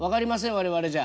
我々じゃ。